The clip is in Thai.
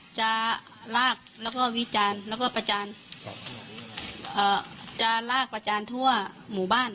จะลากแล้วก็วิจารณ์แล้วก็ประจานจะลากประจานทั่วหมู่บ้าน